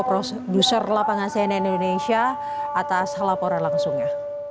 produser lapangan cnn indonesia atas laporan langsungnya